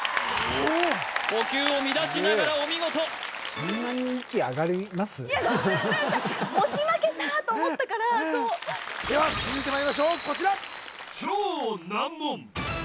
呼吸を乱しながらお見事いやごめんなさい押し負けたと思ったからそうでは続いてまいりましょうこちら